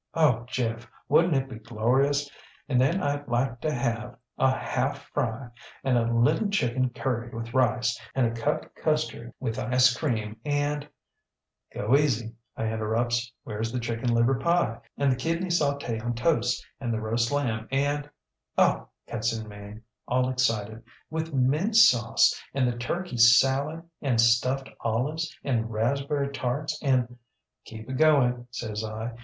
Oh, Jeff, wouldnŌĆÖt it be glorious! And then IŌĆÖd like to have a half fry, and a little chicken curried with rice, and a cup custard with ice cream, andŌĆöŌĆÖ ŌĆ£ŌĆśGo easy, ŌĆÖ I interrupts; ŌĆśwhereŌĆÖs the chicken liver pie, and the kidney saut├® on toast, and the roast lamb, andŌĆöŌĆÖ ŌĆ£ŌĆśOh, ŌĆÖ cuts in Mame, all excited, ŌĆświth mint sauce, and the turkey salad, and stuffed olives, and raspberry tarts, andŌĆöŌĆÖ ŌĆ£ŌĆśKeep it going, ŌĆÖ says I.